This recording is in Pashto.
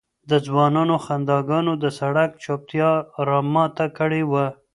د ځوانانو خنداګانو د سړک چوپتیا را ماته کړې وه.